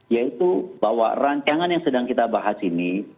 yaitu bahwa rancangan yang sedang kita bahas ini